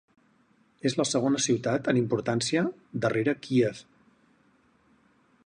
És la segona ciutat en importància darrere Kíev.